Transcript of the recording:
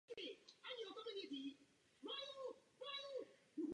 Pak pracoval několik let v zahraničí.